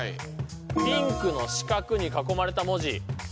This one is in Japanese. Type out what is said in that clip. ピンクの四角に囲まれた文字。